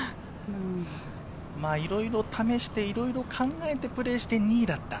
いろいろ試して、いろいろ考えてプレーして２位だった。